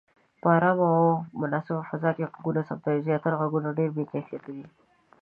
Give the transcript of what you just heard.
په آرامه او مناسبه فضا کې غږ ثبتوئ. زياتره غږونه ډېر بې کیفیته دي.